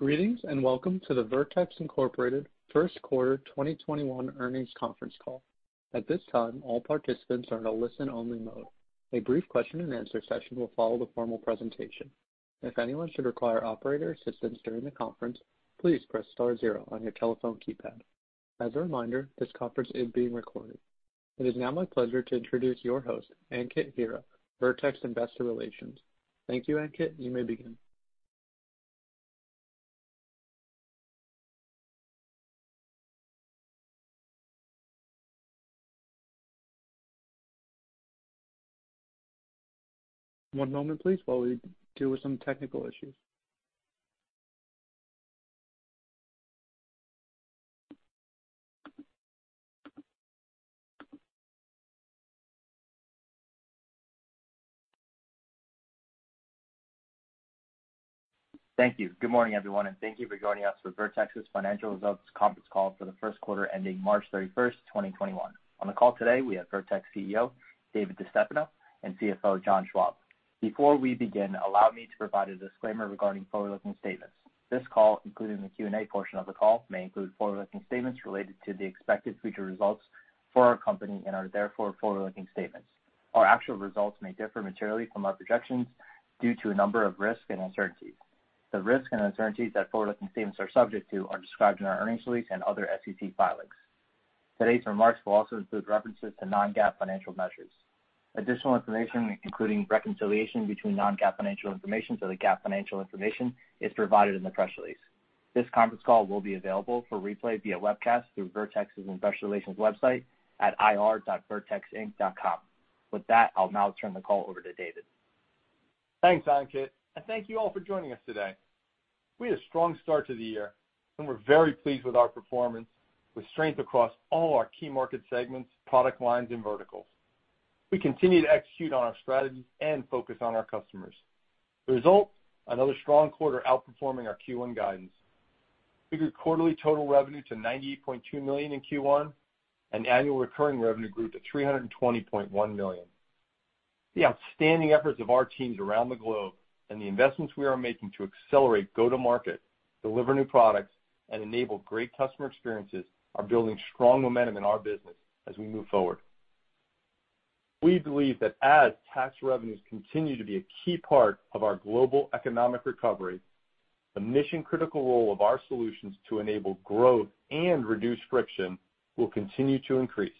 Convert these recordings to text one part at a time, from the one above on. Greetings, and welcome to the Vertex, Inc. First Quarter 2021 Earnings Conference Call. At this time, all participants are in a listen-only mode. A brief question and answer session will follow the formal presentation. If anyone should require operator assistance during the conference, please press star zero on your telephone keypad. As a reminder, this conference is being recorded. It is now my pleasure to introduce your host, Ankit Hira, Vertex Investor Relations. Thank you, Ankit. You may begin. One moment please, while we deal with some technical issues. Thank you. Good morning, everyone, and thank you for joining us for Vertex's financial results conference call for the first quarter ending March 31st 2021. On the call today, we have Vertex CEO, David DeStefano, and CFO, John Schwab. Before we begin, allow me to provide a disclaimer regarding forward-looking statements. This call, including the Q&A portion of the call, may include forward-looking statements related to the expected future results for our company and are therefore forward-looking statements. Our actual results may differ materially from our projections due to a number of risks and uncertainties. The risks and uncertainties that forward-looking statements are subject to are described in our earnings release and other SEC filings. Today's remarks will also include references to non-GAAP financial measures. Additional information, including reconciliation between non-GAAP financial information to the GAAP financial information, is provided in the press release. This conference call will be available for replay via webcast through Vertex's Investor Relations website at ir.vertexinc.com. With that, I'll now turn the call over to David. Thanks, Ankit, thank you all for joining us today. We had a strong start to the year, and we're very pleased with our performance, with strength across all our key market segments, product lines, and verticals. We continue to execute on our strategies and focus on our customers. The result, another strong quarter outperforming our Q1 guidance. We grew quarterly total revenue to $98.2 million in Q1, and annual recurring revenue grew to $320.1 million. The outstanding efforts of our teams around the globe and the investments we are making to accelerate go-to-market, deliver new products, and enable great customer experiences are building strong momentum in our business as we move forward. We believe that as tax revenues continue to be a key part of our global economic recovery, the mission-critical role of our solutions to enable growth and reduce friction will continue to increase.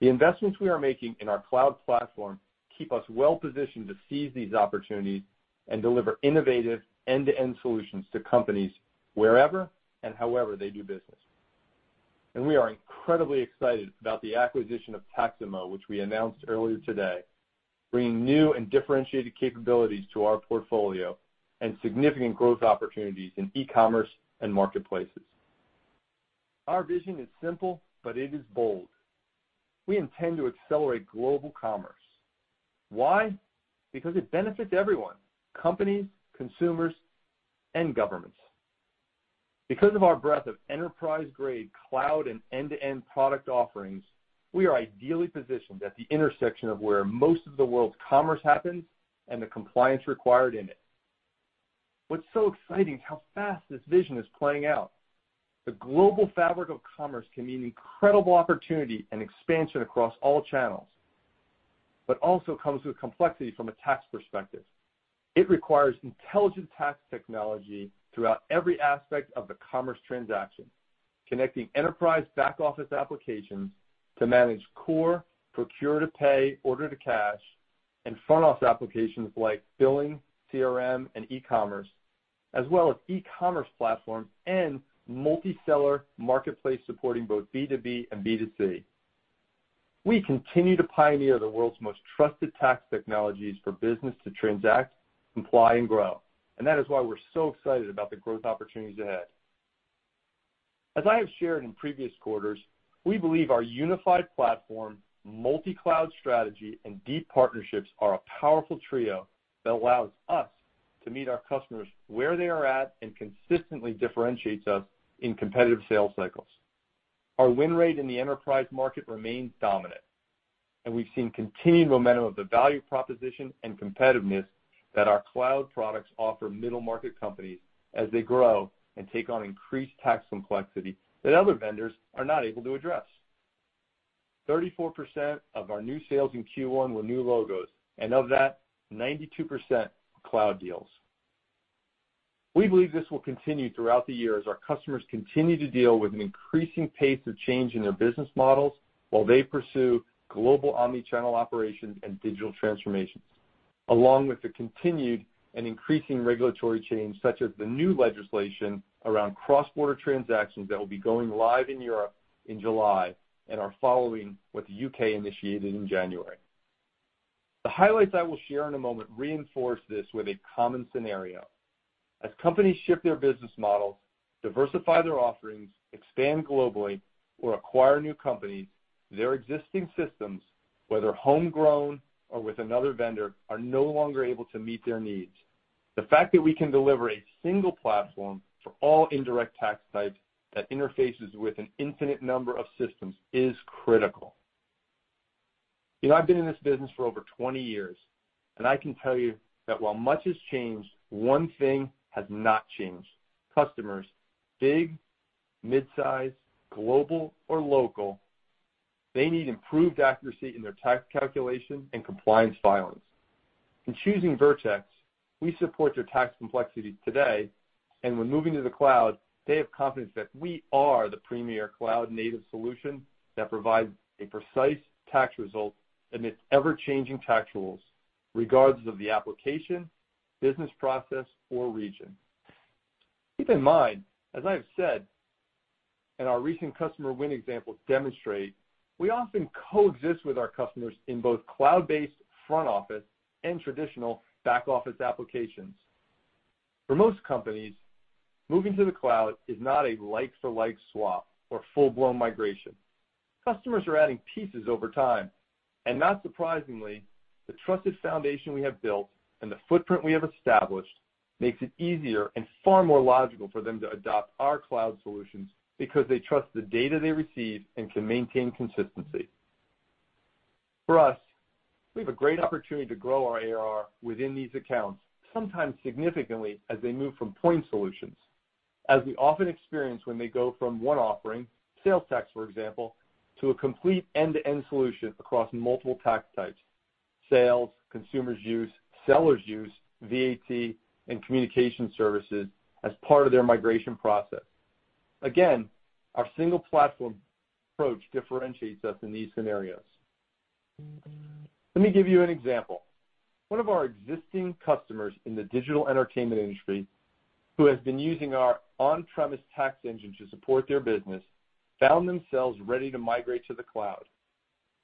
The investments we are making in our cloud platform keep us well positioned to seize these opportunities and deliver innovative end-to-end solutions to companies wherever and however they do business. We are incredibly excited about the acquisition of Taxamo, which we announced earlier today, bringing new and differentiated capabilities to our portfolio and significant growth opportunities in e-commerce and marketplaces. Our vision is simple, but it is bold. We intend to accelerate global commerce. Why? Because it benefits everyone, companies, consumers, and governments. Because of our breadth of enterprise-grade cloud and end-to-end product offerings, we are ideally positioned at the intersection of where most of the world's commerce happens and the compliance required in it. What's so exciting is how fast this vision is playing out. The global fabric of commerce can mean incredible opportunity and expansion across all channels, but also comes with complexity from a tax perspective. It requires intelligent tax technology throughout every aspect of the commerce transaction, connecting enterprise back-office applications to manage core procure-to-pay, order-to-cash, and front-office applications like billing, CRM, and e-commerce, as well as e-commerce platforms and multi-seller marketplace supporting both B2B and B2C. We continue to pioneer the world's most trusted tax technologies for business to transact, comply, and grow. That is why we're so excited about the growth opportunities ahead. As I have shared in previous quarters, we believe our unified platform, multi-cloud strategy, and deep partnerships are a powerful trio that allows us to meet our customers where they are at and consistently differentiates us in competitive sales cycles. Our win rate in the enterprise market remains dominant, and we've seen continued momentum of the value proposition and competitiveness that our cloud products offer middle-market companies as they grow and take on increased tax complexity that other vendors are not able to address. 34% of our new sales in Q1 were new logos, and of that, 92% were cloud deals. We believe this will continue throughout the year as our customers continue to deal with an increasing pace of change in their business models while they pursue global omni-channel operations and digital transformations, along with the continued and increasing regulatory change, such as the new legislation around cross-border transactions that will be going live in Europe in July and are following what the U.K. initiated in January. The highlights I will share in a moment reinforce this with a common scenario. As companies shift their business models, diversify their offerings, expand globally, or acquire new companies, their existing systems, whether homegrown or with another vendor, are no longer able to meet their needs. The fact that we can deliver a single platform for all indirect tax types that interfaces with an infinite number of systems is critical. I've been in this business for over 20 years. I can tell you that while much has changed, one thing has not changed. Customers, big, mid-size, global or local, they need improved accuracy in their tax calculation and compliance filings. In choosing Vertex, we support their tax complexity today, and when moving to the cloud, they have confidence that we are the premier cloud-native solution that provides a precise tax result amidst ever-changing tax rules, regardless of the application, business process, or region. Keep in mind, as I have said, and our recent customer win examples demonstrate, we often coexist with our customers in both cloud-based front office and traditional back-office applications. For most companies, moving to the cloud is not a like-for-like swap or full-blown migration. Customers are adding pieces over time. Not surprisingly, the trusted foundation we have built and the footprint we have established makes it easier and far more logical for them to adopt our cloud solutions because they trust the data they receive and can maintain consistency. For us, we have a great opportunity to grow our ARR within these accounts, sometimes significantly, as they move from point solutions. As we often experience when they go from one offering, sales tax, for example, to a complete end-to-end solution across multiple tax types, sales, consumer use, seller use, VAT, and communication services as part of their migration process. Again, our single platform approach differentiates us in these scenarios. Let me give you an example. One of our existing customers in the digital entertainment industry, who has been using our on-premise tax engine to support their business, found themselves ready to migrate to the cloud.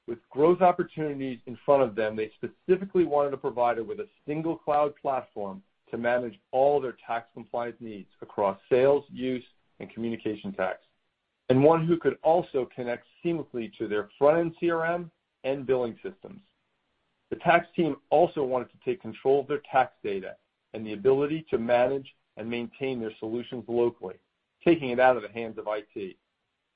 With growth opportunities in front of them, they specifically wanted a provider with a single cloud platform to manage all their tax compliance needs across sales, use, and communication tax, and one who could also connect seamlessly to their front-end CRM and billing systems. The tax team also wanted to take control of their tax data and the ability to manage and maintain their solutions locally, taking it out of the hands of IT.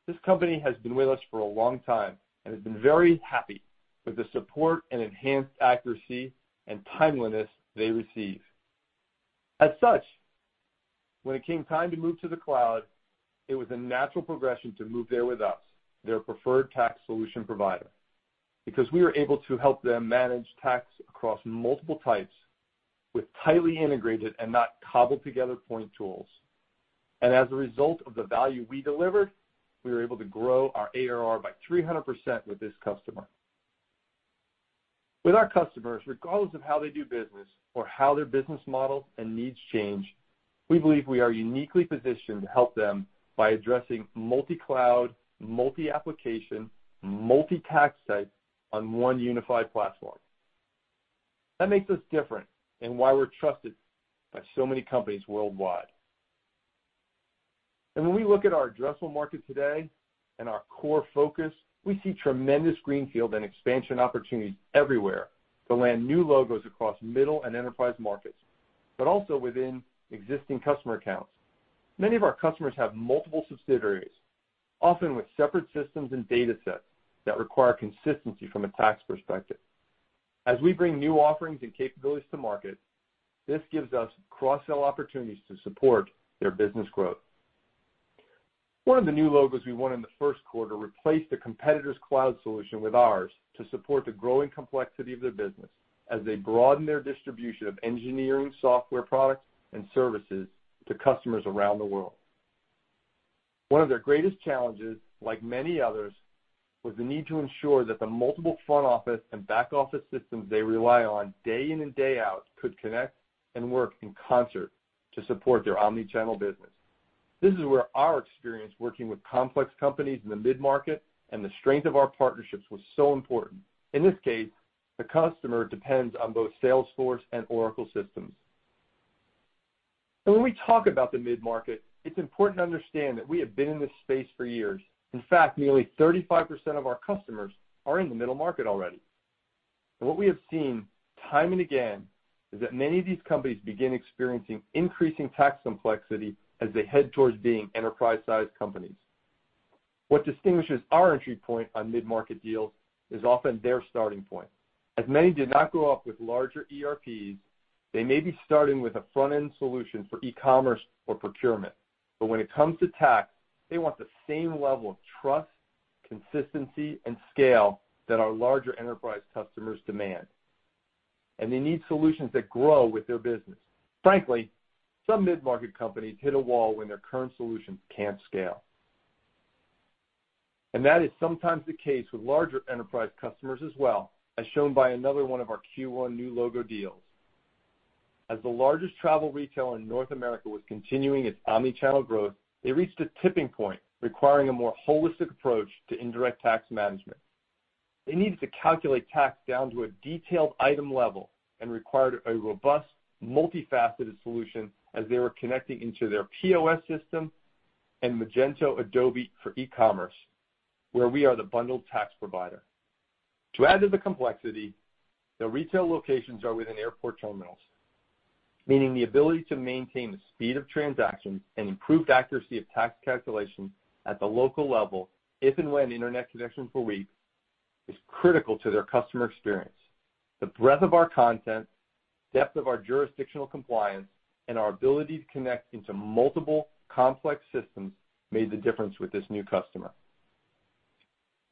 This company has been with us for a long time and has been very happy with the support and enhanced accuracy and timeliness they receive. As such, when it came time to move to the cloud, it was a natural progression to move there with us, their preferred tax solution provider, because we were able to help them manage tax across multiple types with tightly integrated and not cobbled together point tools. As a result of the value we delivered, we were able to grow our ARR by 300% with this customer. With our customers, regardless of how they do business or how their business models and needs change, we believe we are uniquely positioned to help them by addressing multi-cloud, multi-application, multi-tax sites on one unified platform. That makes us different and why we're trusted by so many companies worldwide. When we look at our addressable market today and our core focus, we see tremendous greenfield and expansion opportunities everywhere to land new logos across middle and enterprise markets, but also within existing customer accounts. Many of our customers have multiple subsidiaries, often with separate systems and data sets that require consistency from a tax perspective. As we bring new offerings and capabilities to market, this gives us cross-sell opportunities to support their business growth. One of the new logos we won in the first quarter replaced a competitor's cloud solution with ours to support the growing complexity of their business as they broaden their distribution of engineering software products and services to customers around the world. One of their greatest challenges, like many others, was the need to ensure that the multiple front office and back office systems they rely on day in and day out could connect and work in concert to support their omni-channel business. This is where our experience working with complex companies in the mid-market and the strength of our partnerships was so important. In this case, the customer depends on both Salesforce and Oracle systems. When we talk about the mid-market, it's important to understand that we have been in this space for years. In fact, nearly 35% of our customers are in the middle market already. What we have seen time and again is that many of these companies begin experiencing increasing tax complexity as they head towards being enterprise-sized companies. What distinguishes our entry point on mid-market deals is often their starting point. As many did not grow up with larger ERPs, they may be starting with a front-end solution for e-commerce or procurement. When it comes to tax, they want the same level of trust, consistency, and scale that our larger enterprise customers demand. They need solutions that grow with their business. Frankly, some mid-market companies hit a wall when their current solutions can't scale. That is sometimes the case with larger enterprise customers as well, as shown by another one of our Q1 new logo deals. As the largest travel retailer in North America was continuing its omni-channel growth, they reached a tipping point requiring a more holistic approach to indirect tax management. They needed to calculate tax down to a detailed item level and required a robust, multifaceted solution as they were connecting into their POS system and Magento Adobe for e-commerce, where we are the bundled tax provider. To add to the complexity, the retail locations are within airport terminals. The ability to maintain the speed of transaction and improved accuracy of tax calculation at the local level, if and when internet connection is weak, is critical to their customer experience. The breadth of our content, depth of our jurisdictional compliance, and our ability to connect into multiple complex systems made the difference with this new customer.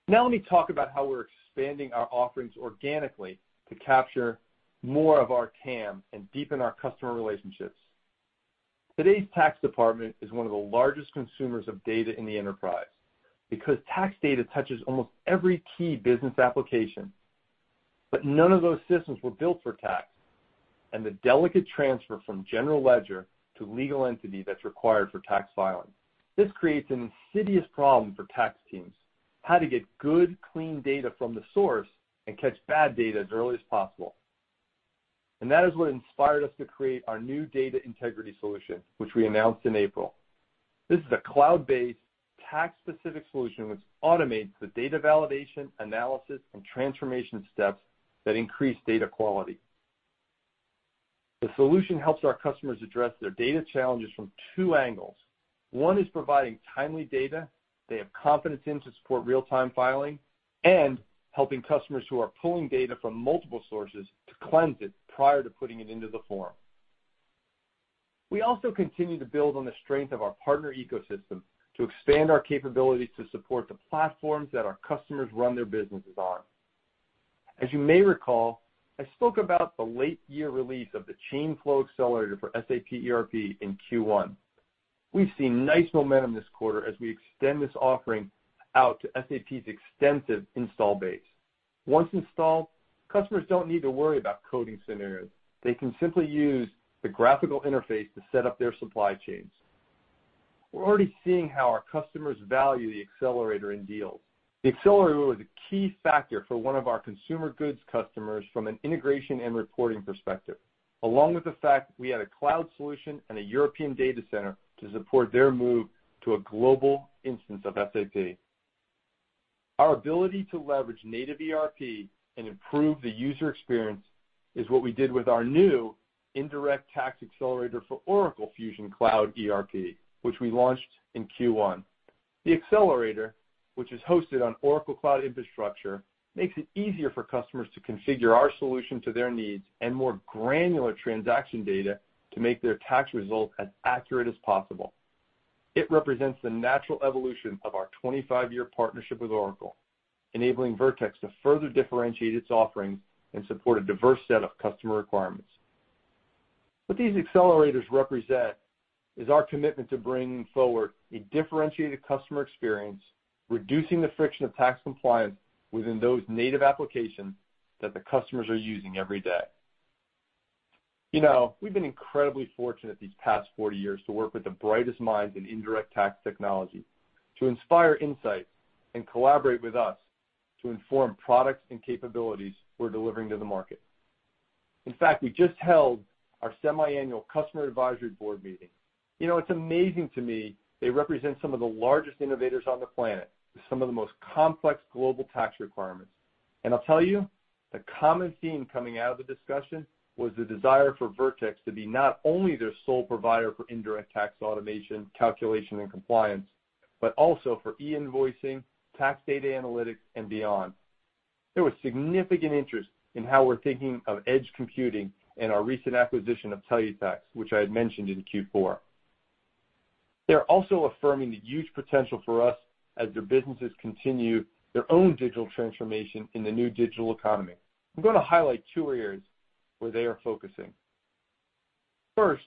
Let me talk about how we're expanding our offerings organically to capture more of our TAM and deepen our customer relationships. Today's tax department is one of the largest consumers of data in the enterprise, because tax data touches almost every key business application. None of those systems were built for tax and the delicate transfer from general ledger to legal entity that's required for tax filing. This creates an insidious problem for tax teams, how to get good, clean data from the source and catch bad data as early as possible. That is what inspired us to create our new data integrity solution, which we announced in April. This is a cloud-based, tax specific solution which automates the data validation, analysis, and transformation steps that increase data quality. The solution helps our customers address their data challenges from two angles. One is providing timely data they have confidence in to support real-time filing and helping customers who are pulling data from multiple sources to cleanse it prior to putting it into the form. We also continue to build on the strength of our partner ecosystem to expand our capabilities to support the platforms that our customers run their businesses on. As you may recall, I spoke about the late year release of the Chain Flow Accelerator for SAP ERP in Q1. We've seen nice momentum this quarter as we extend this offering out to SAP's extensive install base. Once installed, customers don't need to worry about coding scenarios. They can simply use the graphical interface to set up their supply chains. We're already seeing how our customers value the accelerator in deals. The accelerator was a key factor for one of our consumer goods customers from an integration and reporting perspective, along with the fact we had a cloud solution and a European data center to support their move to a global instance of SAP. Our ability to leverage native ERP and improve the user experience is what we did with our new Indirect Tax Accelerator for Oracle Fusion Cloud ERP, which we launched in Q1. The accelerator, which is hosted on Oracle Cloud Infrastructure, makes it easier for customers to configure our solution to their needs and more granular transaction data to make their tax result as accurate as possible. It represents the natural evolution of our 25-year partnership with Oracle, enabling Vertex to further differentiate its offerings and support a diverse set of customer requirements. What these accelerators represent is our commitment to bringing forward a differentiated customer experience, reducing the friction of tax compliance within those native applications that the customers are using every day. We've been incredibly fortunate these past 40 years to work with the brightest minds in indirect tax technology to inspire insight and collaborate with us to inform products and capabilities we're delivering to the market. In fact, we just held our semiannual customer advisory board meeting. It's amazing to me, they represent some of the largest innovators on the planet with some of the most complex global tax requirements. I'll tell you, the common theme coming out of the discussion was the desire for Vertex to be not only their sole provider for indirect tax automation, calculation and compliance, but also for e-invoicing, tax data analytics, and beyond. There was significant interest in how we're thinking of edge computing and our recent acquisition of Tellutax, which I had mentioned in Q4. They're also affirming the huge potential for us as their businesses continue their own digital transformation in the new digital economy. I'm going to highlight two areas where they are focusing. First,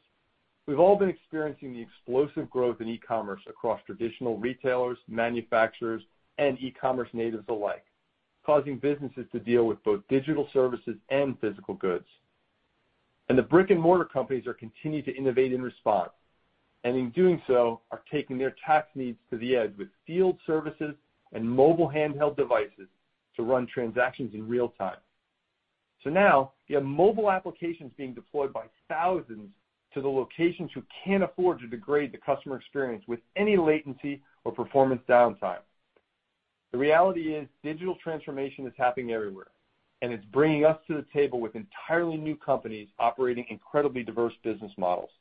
we've all been experiencing the explosive growth in e-commerce across traditional retailers, manufacturers, and e-commerce natives alike, causing businesses to deal with both digital services and physical goods. The brick and mortar companies are continuing to innovate in response, and in doing so, are taking their tax needs to the edge with field services and mobile handheld devices to run transactions in real time. Now you have mobile applications being deployed by thousands to the locations who can't afford to degrade the customer experience with any latency or performance downtime. The reality is digital transformation is happening everywhere, and it's bringing us to the table with entirely new companies operating incredibly diverse business models.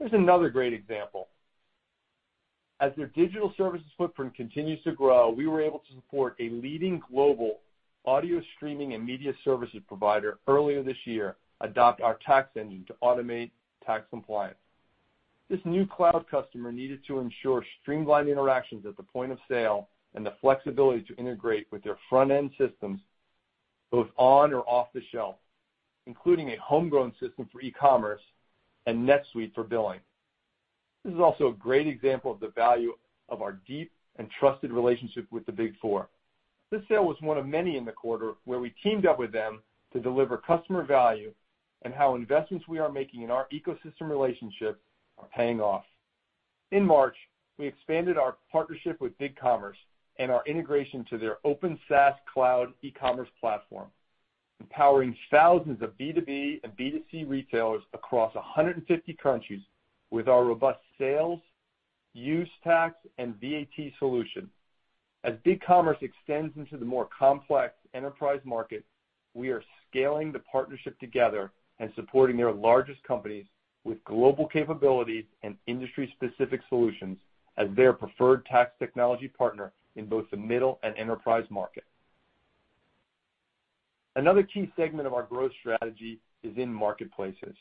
Here's another great example. As their digital services footprint continues to grow, we were able to support a leading global audio streaming and media services provider earlier this year adopt our tax engine to automate tax compliance. This new cloud customer needed to ensure streamlined interactions at the point of sale and the flexibility to integrate with their front end systems both on or off the shelf, including a homegrown system for e-commerce and NetSuite for billing. This is also a great example of the value of our deep and trusted relationship with the Big Four. This sale was one of many in the quarter where we teamed up with them to deliver customer value and how investments we are making in our ecosystem relationship are paying off. In March, we expanded our partnership with BigCommerce and our integration to their open SaaS cloud e-commerce platform, empowering thousands of B2B and B2C retailers across 150 countries with our robust sales, use tax, and VAT solution. As BigCommerce extends into the more complex enterprise market, we are scaling the partnership together and supporting their largest companies with global capabilities and industry-specific solutions as their preferred tax technology partner in both the middle and enterprise market. Another key segment of our growth strategy is in marketplaces.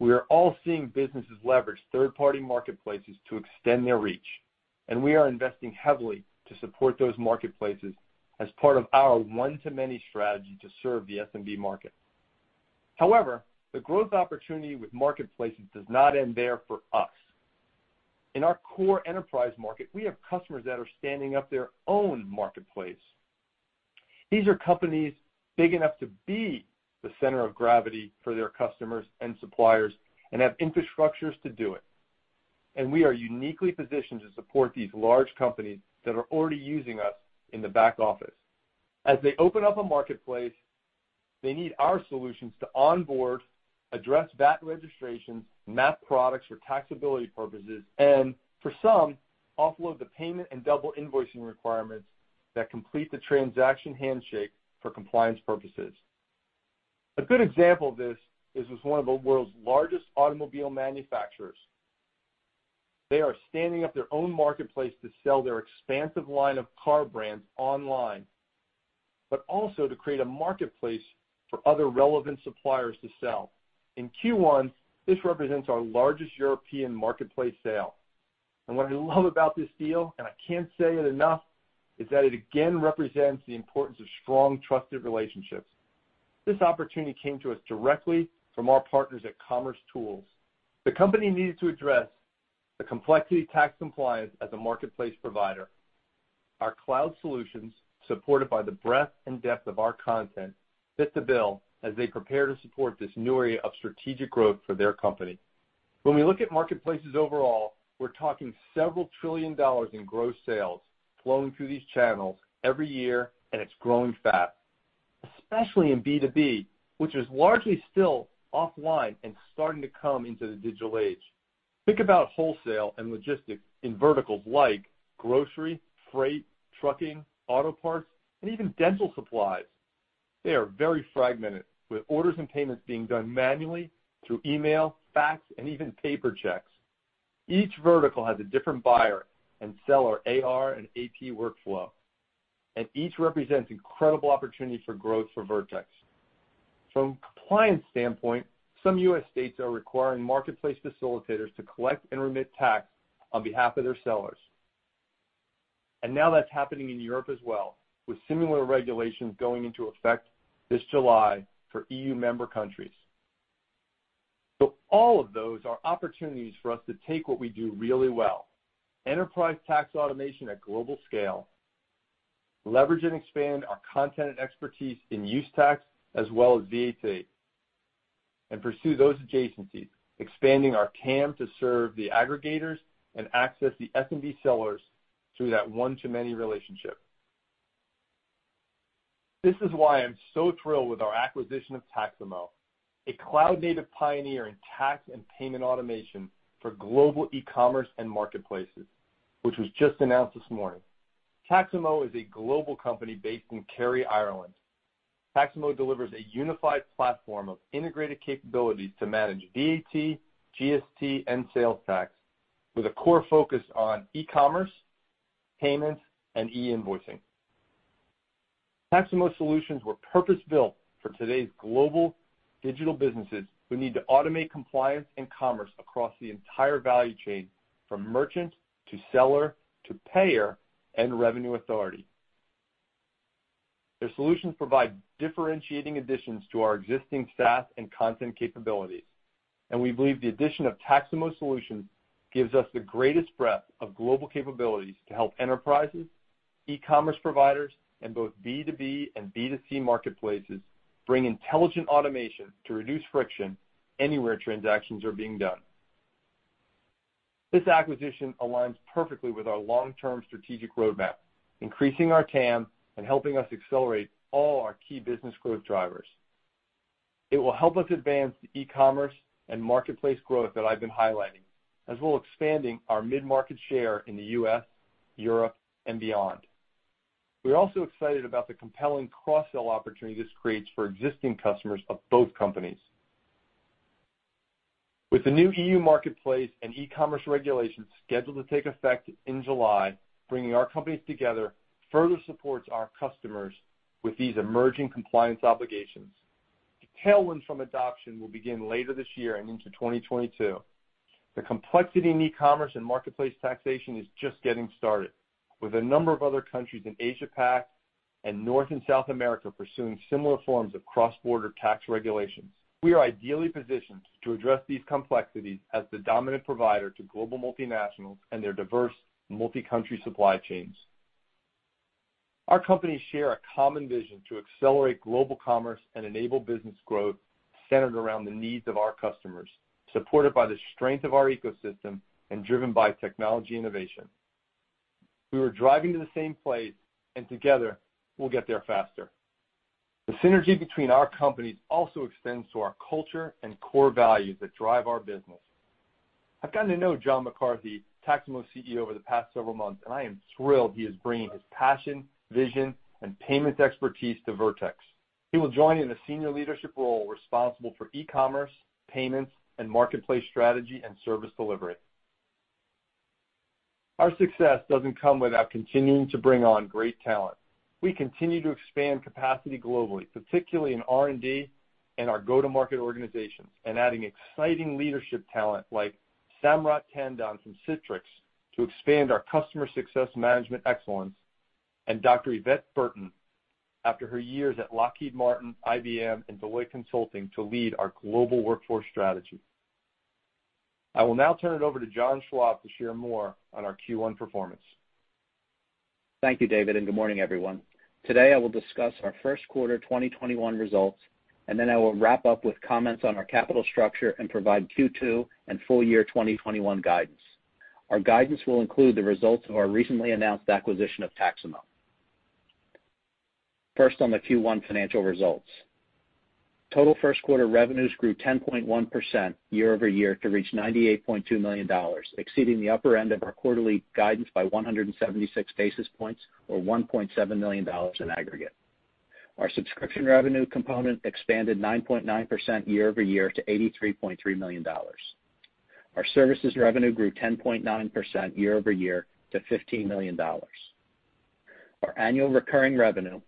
We are all seeing businesses leverage third-party marketplaces to extend their reach, and we are investing heavily to support those marketplaces as part of our one-to-many strategy to serve the SMB market. However, the growth opportunity with marketplaces does not end there for us. In our core enterprise market, we have customers that are standing up their own marketplace. These are companies big enough to be the center of gravity for their customers and suppliers and have infrastructures to do it. We are uniquely positioned to support these large companies that are already using us in the back office. As they open up a marketplace, they need our solutions to onboard, address VAT registrations, map products for taxability purposes, and for some, offload the payment and double invoicing requirements that complete the transaction handshake for compliance purposes. A good example of this is with one of the world's largest automobile manufacturers. They are standing up their own marketplace to sell their expansive line of car brands online, but also to create a marketplace for other relevant suppliers to sell. In Q1, this represents our largest European marketplace sale. What I love about this deal, and I can't say it enough, is that it again represents the importance of strong, trusted relationships. This opportunity came to us directly from our partners at commercetools. The company needed to address the complexity of tax compliance as a marketplace provider. Our cloud solutions, supported by the breadth and depth of our content, fit the bill as they prepare to support this new area of strategic growth for their company. When we look at marketplaces overall, we're talking several trillion dollars in gross sales flowing through these channels every year, and it's growing fast. Especially in B2B, which is largely still offline and starting to come into the digital age. Think about wholesale and logistics in verticals like grocery, freight, trucking, auto parts, and even dental supplies. They are very fragmented, with orders and payments being done manually through email, fax, and even paper checks. Each vertical has a different buyer and seller AR and AP workflow, and each represents incredible opportunity for growth for Vertex. From a compliance standpoint, some U.S. states are requiring marketplace facilitators to collect and remit tax on behalf of their sellers. Now that's happening in Europe as well, with similar regulations going into effect this July for EU member countries. All of those are opportunities for us to take what we do really well, enterprise tax automation at global scale, leverage and expand our content and expertise in use tax as well as VAT, and pursue those adjacencies, expanding our TAM to serve the aggregators and access the SMB sellers through that one-to-many relationship. This is why I'm so thrilled with our acquisition of Taxamo, a cloud-native pioneer in tax and payment automation for global e-commerce and marketplaces, which was just announced this morning. Taxamo is a global company based in Kerry, Ireland. Taxamo delivers a unified platform of integrated capabilities to manage VAT, GST, and sales tax with a core focus on e-commerce, payments, and e-invoicing. Taxamo solutions were purpose-built for today's global digital businesses who need to automate compliance and commerce across the entire value chain, from merchant to seller to payer and revenue authority. Their solutions provide differentiating additions to our existing stack and content capabilities, and we believe the addition of Taxamo solutions gives us the greatest breadth of global capabilities to help enterprises, e-commerce providers, and both B2B and B2C marketplaces bring intelligent automation to reduce friction anywhere transactions are being done. This acquisition aligns perfectly with our long-term strategic roadmap, increasing our TAM and helping us accelerate all our key business growth drivers. It will help us advance the e-commerce and marketplace growth that I've been highlighting, as well as expanding our mid-market share in the U.S., Europe, and beyond. We're also excited about the compelling cross-sell opportunity this creates for existing customers of both companies. With the new EU marketplace and e-commerce regulations scheduled to take effect in July, bringing our companies together further supports our customers with these emerging compliance obligations. The tailwinds from adoption will begin later this year and into 2022. The complexity in e-commerce and marketplace taxation is just getting started, with a number of other countries in Asia-Pac and North and South America pursuing similar forms of cross-border tax regulations. We are ideally positioned to address these complexities as the dominant provider to global multinationals and their diverse multi-country supply chains. Our companies share a common vision to accelerate global commerce and enable business growth centered around the needs of our customers, supported by the strength of our ecosystem and driven by technology innovation. We are driving to the same place, and together, we'll get there faster. The synergy between our companies also extends to our culture and core values that drive our business. I've gotten to know John McCarthy, Taxamo's CEO, over the past several months, and I am thrilled he is bringing his passion, vision, and payments expertise to Vertex. He will join in a senior leadership role responsible for e-commerce, payments, and marketplace strategy and service delivery. Our success doesn't come without continuing to bring on great talent. We continue to expand capacity globally, particularly in R&D and our go-to-market organizations, and adding exciting leadership talent like Samrat Tandon from Citrix to expand our customer success management excellence, and Dr. Yvette Burton, after her years at Lockheed Martin, IBM, and Deloitte Consulting to lead our global workforce strategy. I will now turn it over to John Schwab to share more on our Q1 performance. Thank you, David, and good morning, everyone. Today, I will discuss our first quarter 2021 results, and then I will wrap up with comments on our capital structure and provide Q2 and full year 2021 guidance. Our guidance will include the results of our recently announced acquisition of Taxamo. First, on the Q1 financial results. Total first quarter revenues grew 10.1% year-over-year to reach $98.2 million, exceeding the upper end of our quarterly guidance by 176 basis points or $1.7 million in aggregate. Our subscription revenue component expanded 9.9% year-over-year to $83.3 million. Our services revenue grew 10.9% year-over-year to $15 million. Our annual recurring revenue,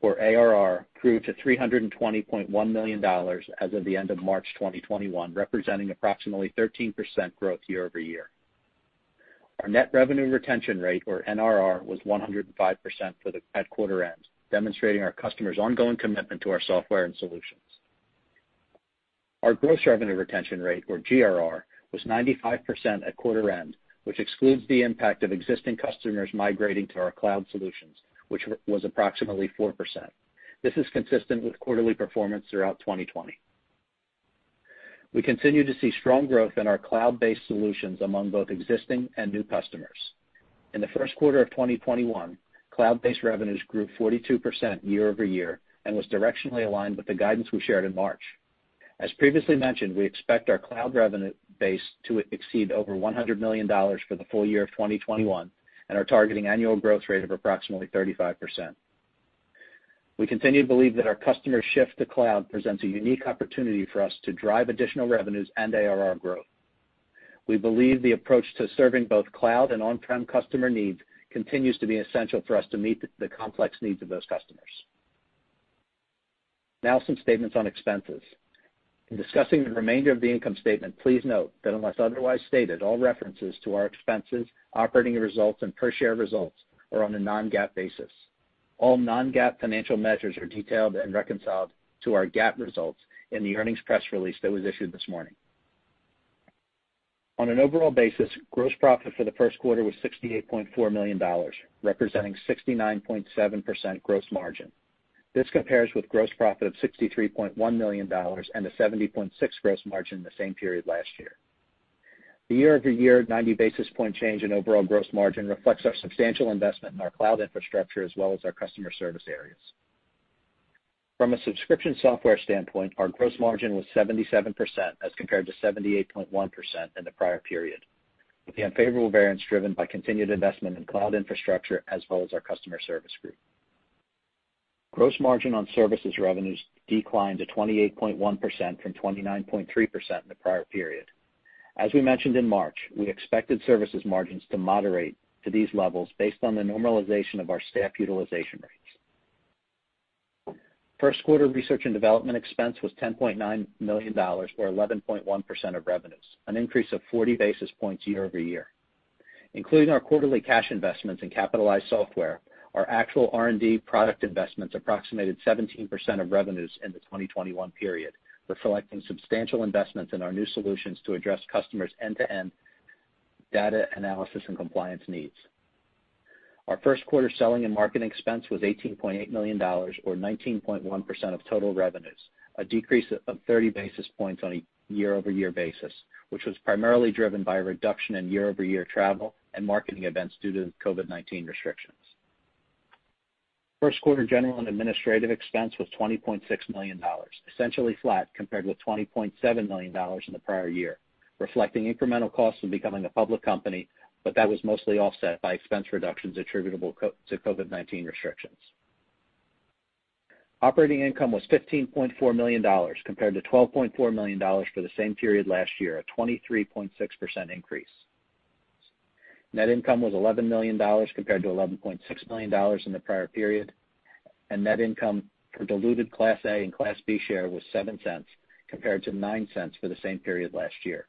or ARR, grew to $320.1 million as of the end of March 2021, representing approximately 13% growth year-over-year. Our net revenue retention rate, or NRR, was 105% at quarter end, demonstrating our customers' ongoing commitment to our software and solutions. Our gross revenue retention rate, or GRR, was 95% at quarter end, which excludes the impact of existing customers migrating to our cloud solutions, which was approximately 4%. This is consistent with quarterly performance throughout 2020. We continue to see strong growth in our cloud-based solutions among both existing and new customers. In the first quarter of 2021, cloud-based revenues grew 42% year-over-year and was directionally aligned with the guidance we shared in March. As previously mentioned, we expect our cloud revenue base to exceed over $100 million for the full year of 2021, and are targeting annual growth rate of approximately 35%. We continue to believe that our customer shift to cloud presents a unique opportunity for us to drive additional revenues and ARR growth. We believe the approach to serving both cloud and on-prem customer needs continues to be essential for us to meet the complex needs of those customers. Now some statements on expenses. In discussing the remainder of the income statement, please note that unless otherwise stated, all references to our expenses, operating results, and per share results are on a non-GAAP basis. All non-GAAP financial measures are detailed and reconciled to our GAAP results in the earnings press release that was issued this morning. On an overall basis, gross profit for the first quarter was $68.4 million, representing 69.7% gross margin. This compares with gross profit of $63.1 million and a 70.6% gross margin in the same period last year. The year-over-year 90 basis point change in overall gross margin reflects our substantial investment in our cloud infrastructure as well as our customer service areas. From a subscription software standpoint, our gross margin was 77% as compared to 78.1% in the prior period, with the unfavorable variance driven by continued investment in cloud infrastructure as well as our customer service group. Gross margin on services revenues declined to 28.1% from 29.3% in the prior period. As we mentioned in March, we expected services margins to moderate to these levels based on the normalization of our staff utilization rates. First quarter research and development expense was $10.9 million, or 11.1% of revenues, an increase of 40 basis points year-over-year. Including our quarterly cash investments in capitalized software, our actual R&D product investments approximated 17% of revenues in the 2021 period, reflecting substantial investments in our new solutions to address customers' end-to-end data analysis and compliance needs. Our first quarter selling and marketing expense was $18.8 million, or 19.1% of total revenues, a decrease of 30 basis points on a year-over-year basis, which was primarily driven by a reduction in year-over-year travel and marketing events due to COVID-19 restrictions. First quarter general and administrative expense was $20.6 million, essentially flat compared with $20.7 million in the prior year, reflecting incremental costs of becoming a public company, but that was mostly offset by expense reductions attributable to COVID-19 restrictions. Operating income was $15.4 million compared to $12.4 million for the same period last year, a 23.6% increase. Net income was $11 million compared to $11.6 million in the prior period. Net income for diluted Class A and Class B share was $0.07 compared to $0.09 for the same period last year,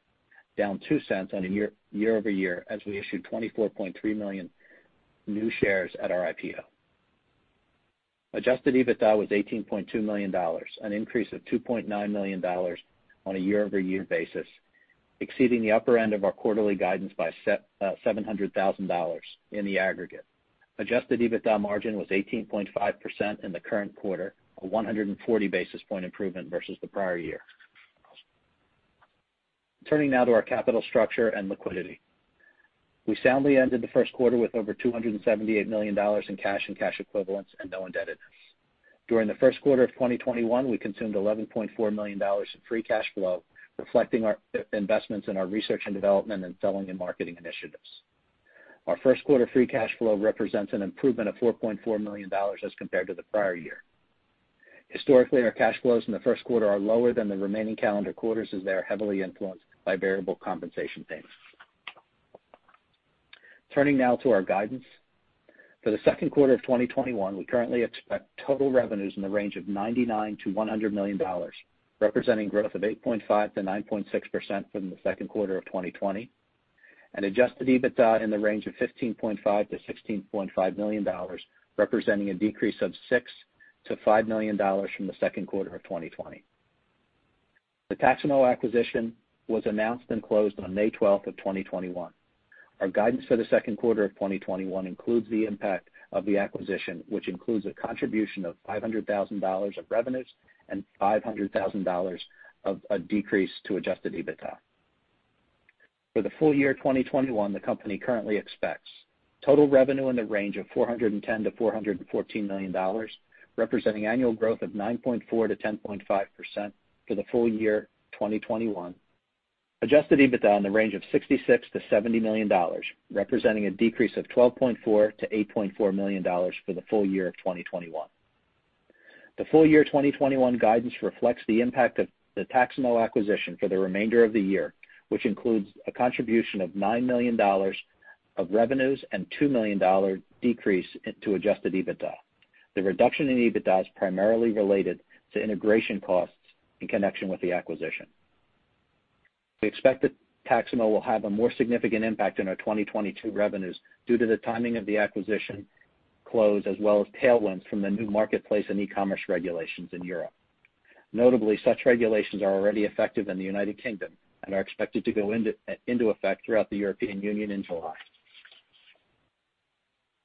down $0.02 on a year-over-year as we issued 24.3 million new shares at our IPO. Adjusted EBITDA was $18.2 million, an increase of $2.9 million on a year-over-year basis, exceeding the upper end of our quarterly guidance by $700,000 in the aggregate. Adjusted EBITDA margin was 18.5% in the current quarter, a 140 basis points improvement versus the prior year. Turning now to our capital structure and liquidity. We soundly ended the first quarter with over $278 million in cash and cash equivalents, and no indebtedness. During the first quarter of 2021, we consumed $11.4 million of free cash flow, reflecting our investments in our R&D and selling and marketing initiatives. Our first quarter free cash flow represents an improvement of $4.4 million as compared to the prior year. Historically, our cash flows in the first quarter are lower than the remaining calendar quarters, as they are heavily influenced by variable compensation payments. Turning now to our guidance. For the second quarter of 2021, we currently expect total revenues in the range of $99 million-$100 million, representing growth of 8.5%-9.6% from the second quarter of 2020, and adjusted EBITDA in the range of $15.5 million-$16.5 million, representing a decrease of $6 million-$5 million from the second quarter of 2020. The Taxamo acquisition was announced and closed on May 12th of 2021. Our guidance for the second quarter of 2021 includes the impact of the acquisition, which includes a contribution of $500,000 of revenues and $500,000 of a decrease to adjusted EBITDA. For the full year 2021, the company currently expects total revenue in the range of $410 million-$414 million, representing annual growth of 9.4%-10.5% for the full year 2021. Adjusted EBITDA in the range of $66 million-$70 million, representing a decrease of $12.4 million-$8.4 million for the full year of 2021. The full year 2021 guidance reflects the impact of the Taxamo acquisition for the remainder of the year, which includes a contribution of $9 million of revenues and $2 million decrease to adjusted EBITDA. The reduction in EBITDA is primarily related to integration costs in connection with the acquisition. We expect that Taxamo will have a more significant impact on our 2022 revenues due to the timing of the acquisition close, as well as tailwinds from the new marketplace and e-commerce regulations in Europe. Notably, such regulations are already effective in the United Kingdom and are expected to go into effect throughout the European Union in July.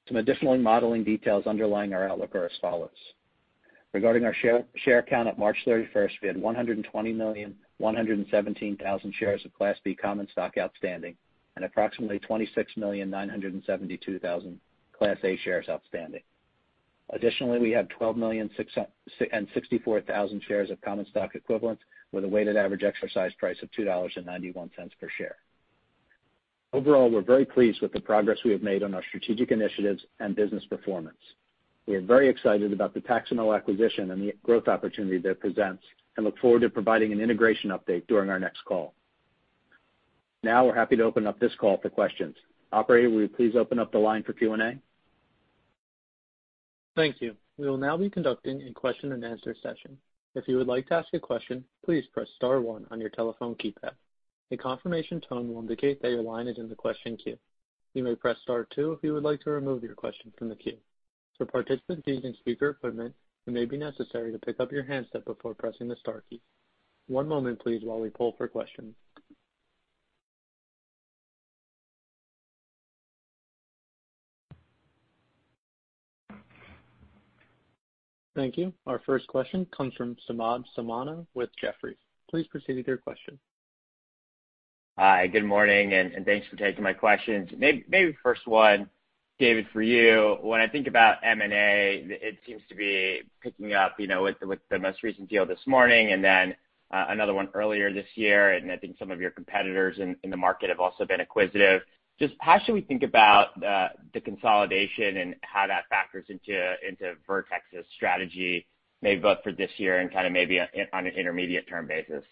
Some additional modeling details underlying our outlook are as follows. Regarding our share count at March 31st, we had 120,117,000 shares of Class B common stock outstanding and approximately 26,972,000 Class A shares outstanding. Additionally, we have 12,064,000 shares of common stock equivalent, with a weighted average exercise price of $2.91 per share. Overall, we're very pleased with the progress we have made on our strategic initiatives and business performance. We are very excited about the Taxamo acquisition and the growth opportunity that it presents and look forward to providing an integration update during our next call. Now, we're happy to open up this call to questions. Operator, will you please open up the line for Q&A? Thank you. You will now be conducting a question and answer session. If you will like to ask a question, please press star one on your telephone keypad. A confirmation tone will indicate that your line is in the question queue. You may press star two if you would like to remove your question from the queue. For participants using speaker phone, it may be necessary to pick up your hands before pressing star key. One moment, please, while we pull for questions. Our first question comes from Samad Samana with Jefferies. Please proceed with your question. Hi, good morning, and thanks for taking my questions. Maybe first one, David, for you. When I think about M&A, it seems to be picking up, with the most recent deal this morning and then another one earlier this year, and I think some of your competitors in the market have also been acquisitive. Just how should we think about the consolidation and how that factors into Vertex's strategy, maybe both for this year and maybe on an intermediate-term basis?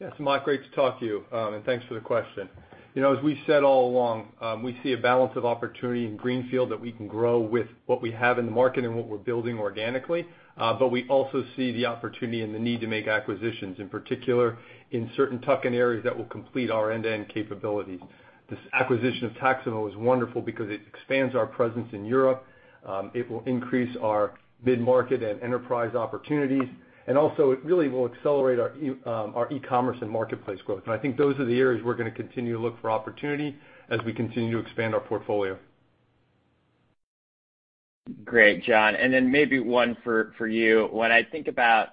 Yeah, Samad, great to talk to you, and thanks for the question. As we've said all along, we see a balance of opportunity in greenfield that we can grow with what we have in the market and what we're building organically. We also see the opportunity and the need to make acquisitions, in particular in certain tuck-in areas that will complete our end-to-end capabilities. This acquisition of Taxamo is wonderful because it expands our presence in Europe. It will increase our mid-market and enterprise opportunities, and also it really will accelerate our e-commerce and marketplace growth. I think those are the areas we're going to continue to look for opportunity as we continue to expand our portfolio. Great. John, and then maybe one for you. When I think about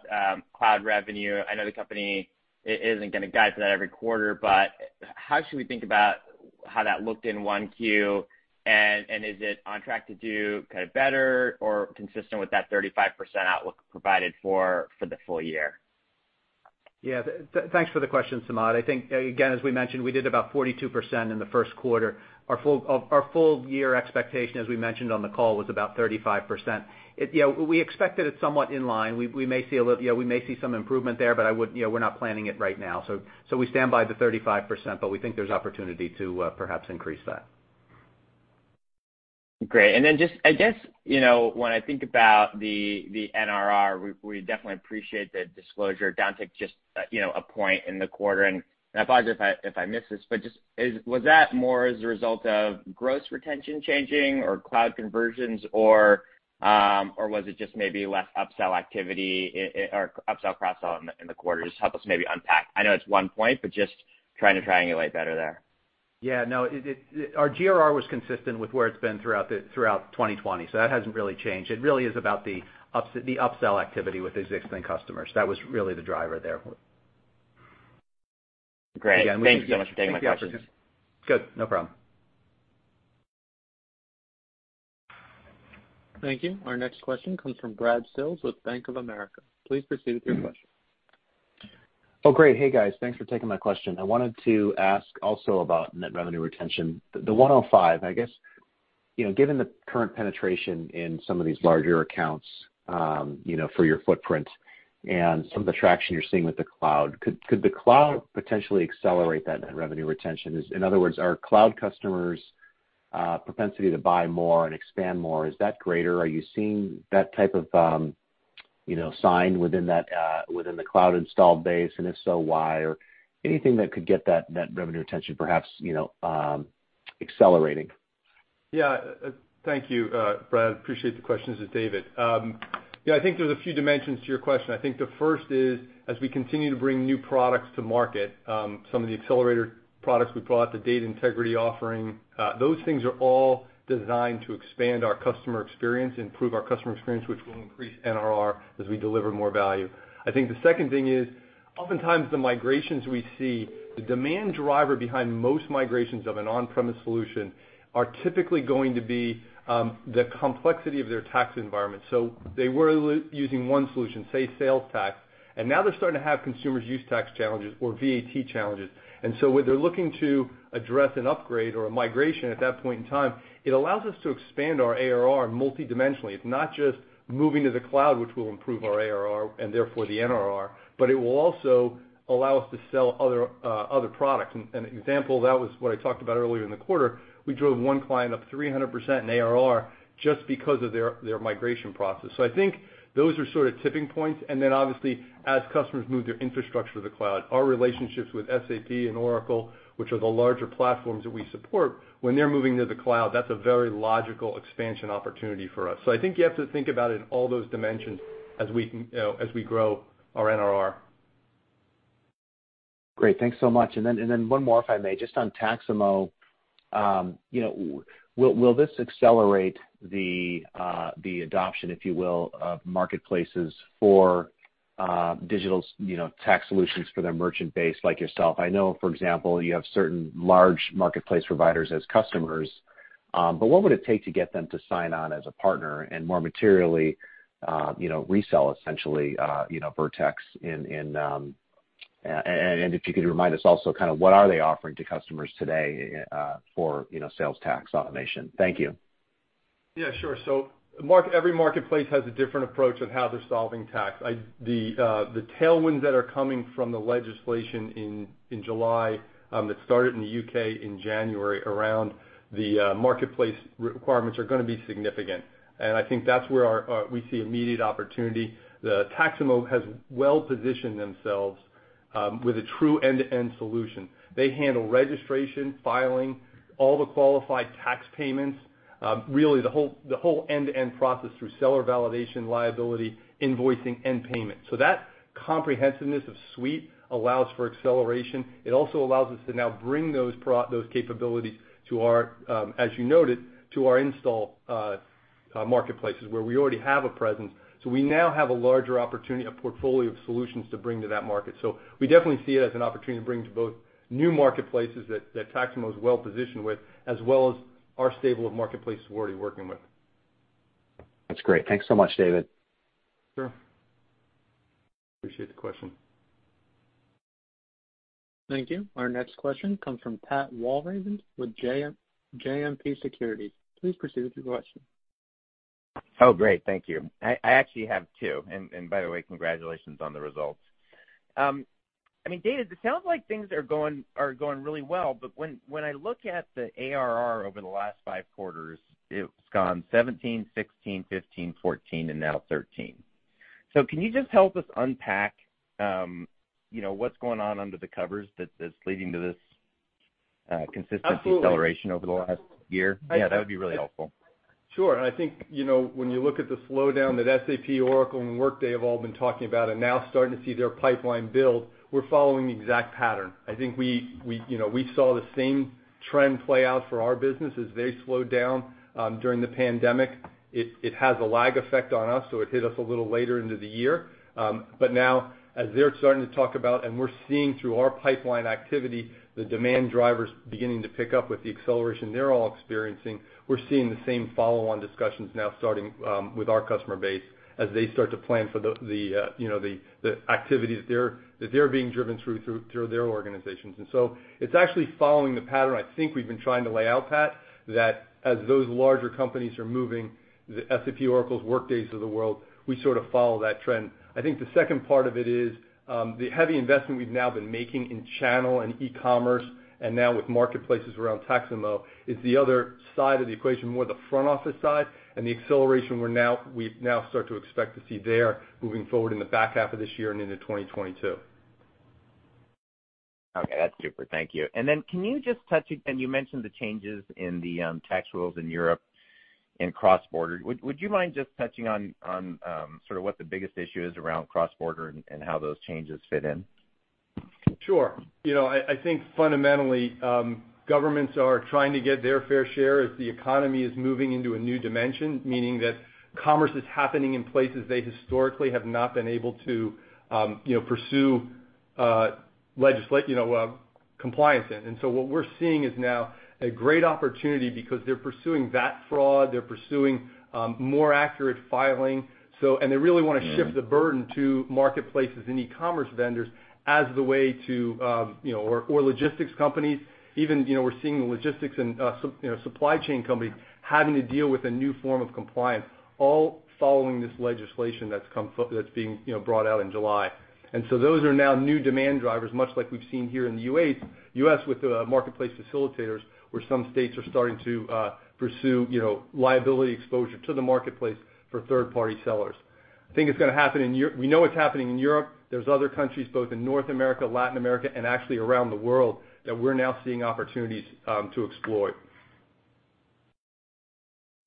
cloud revenue, I know the company isn't going to guide to that every quarter, but how should we think about how that looked in 1Q, and is it on track to do better or consistent with that 35% outlook provided for the full year? Yeah. Thanks for the question, Samad. I think, again, as we mentioned, we did about 42% in the first quarter. Our full-year expectation, as we mentioned on the call, was about 35%. We expect that it's somewhat in line. We may see some improvement there, but we're not planning it right now. We stand by the 35%, but we think there's opportunity to perhaps increase that. Great. Then just I guess, when I think about the NRR, we definitely appreciate the disclosure down to just a point in the quarter, and I apologize if I miss this, but just was that more as a result of gross retention changing or cloud conversions, or was it just maybe less upsell activity or upsell/cross-sell in the quarter? Just help us maybe unpack. I know it's one point, but just trying to triangulate better there. Yeah, no, our GRR was consistent with where it's been throughout 2020. That hasn't really changed. It really is about the upsell activity with existing customers. That was really the driver there. Great. Thank you so much for taking my question. Good. No problem. Thank you. Our next question comes from Brad Sills with Bank of America. Please proceed with your question. Great. Hey, guys. Thanks for taking my question. I wanted to ask also about net revenue retention. The 105, I guess, given the current penetration in some of these larger accounts, for your footprint and some of the traction you're seeing with the cloud, could the cloud potentially accelerate that net revenue retention? In other words, are cloud customers' propensity to buy more and expand more, is that greater? Are you seeing that type of sign within the cloud installed base, and if so, why? Anything that could get that net revenue retention perhaps accelerating. Thank you, Brad. Appreciate the question. This is David. I think there's a few dimensions to your question. I think the first is, as we continue to bring new products to market, some of the accelerator products we brought, the data integrity offering, those things are all designed to expand our customer experience, improve our customer experience, which will increase NRR as we deliver more value. I think the second thing is, oftentimes the migrations we see, the demand driver behind most migrations of an on-premise solution are typically going to be the complexity of their tax environment. They were using one solution, say, sales tax, and now they're starting to have consumers use tax challenges or VAT challenges. When they're looking to address an upgrade or a migration at that point in time, it allows us to expand our ARR multi-dimensionally. It's not just moving to the cloud, which will improve our ARR and therefore the NRR, but it will also allow us to sell other products. An example of that was what I talked about earlier in the quarter. We drove one client up 300% in ARR just because of their migration process. I think those are sort of tipping points, and then obviously, as customers move their infrastructure to the cloud, our relationships with SAP and Oracle, which are the larger platforms that we support, when they're moving to the cloud, that's a very logical expansion opportunity for us. I think you have to think about it in all those dimensions as we grow our NRR. Great. Thanks so much. Then one more, if I may, just on Taxamo. Will this accelerate the adoption, if you will, of marketplaces for digital tax solutions for their merchant base like yourself? I know, for example, you have certain large marketplace providers as customers. What would it take to get them to sign on as a partner and more materially, resell essentially, Vertex. If you could remind us also what are they offering to customers today for sales tax automation. Thank you. Yeah, sure. Every marketplace has a different approach on how they're solving tax. The tailwinds that are coming from the legislation in July, that started in the U.K. in January around the marketplace requirements are going to be significant. I think that's where we see immediate opportunity. Taxamo has well-positioned themselves with a true end-to-end solution. They handle registration, filing, all the qualified tax payments, really the whole end-to-end process through seller validation, liability, invoicing, and payment. That comprehensiveness of suite allows for acceleration. It also allows us to now bring those capabilities to our, as you noted, to our install marketplaces where we already have a presence. We now have a larger opportunity, a portfolio of solutions to bring to that market. We definitely see it as an opportunity to bring to both new marketplaces that Taxamo is well-positioned with, as well as our stable of marketplaces we're already working with. That's great. Thanks so much, David. Sure. Appreciate the question. Thank you. Our next question comes from Pat Walravens with JMP Securities. Please proceed with your question. Oh, great. Thank you. I actually have two. By the way, congratulations on the results. David, it sounds like things are going really well, but when I look at the ARR over the last five quarters, it's gone 17, 16, 15, 14, and now 13. Can you just help us unpack what's going on under the covers that's leading to this consistency? Absolutely acceleration over the last year? Yeah, that would be really helpful. Sure. I think, when you look at the slowdown that SAP, Oracle, and Workday have all been talking about and now starting to see their pipeline build, we're following the exact pattern. I think we saw the same trend play out for our business as they slowed down during the pandemic. It has a lag effect on us, so it hit us a little later into the year. Now as they're starting to talk about, and we're seeing through our pipeline activity, the demand drivers beginning to pick up with the acceleration they're all experiencing. We're seeing the same follow-on discussions now starting with our customer base as they start to plan for the activities that they're being driven through their organizations. It's actually following the pattern I think we've been trying to lay out, Pat, that as those larger companies are moving, the SAP, Oracles, Workdays of the world, we sort of follow that trend. I think the second part of it is the heavy investment we've now been making in channel and e-commerce and now with marketplaces around Taxamo is the other side of the equation, more the front office side, and the acceleration we now start to expect to see there moving forward in the back half of this year and into 2022. Okay. That's super. Thank you. Can you just touch, and you mentioned the changes in the tax rules in Europe in cross-border. Would you mind just touching on sort of what the biggest issue is around cross-border and how those changes fit in? Sure. I think fundamentally, governments are trying to get their fair share as the economy is moving into a new dimension, meaning that commerce is happening in places they historically have not been able to pursue compliance in. What we're seeing is now a great opportunity because they're pursuing that fraud, they're pursuing more accurate filing. They really want to shift the burden to marketplaces and e-commerce vendors as the way to or logistics companies. Even we're seeing the logistics and supply chain companies having to deal with a new form of compliance, all following this legislation that's being brought out in July. Those are now new demand drivers, much like we've seen here in the U.S. with the marketplace facilitators, where some states are starting to pursue liability exposure to the marketplace for third-party sellers. We know it's happening in Europe. There's other countries, both in North America, Latin America, and actually around the world, that we're now seeing opportunities to explore.